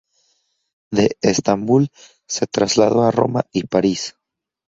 De Estambul se trasladó a Roma y París.